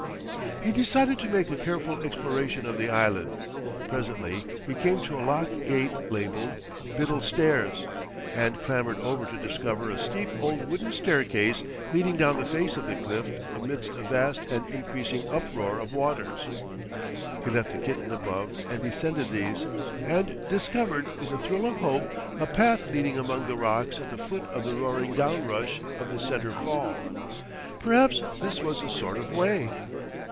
He decided to make a careful exploration of the island. Presently he came to a locked gate labelled "Biddle Stairs," and clambered over to discover a steep old wooden staircase leading down the face of the cliff amidst a vast and increasing uproar of waters. He left the kitten above and descended these, and discovered with a thrill of hope a path leading among the rocks at the foot of the roaring downrush of the Centre Fall. Perhaps this was a sort of way!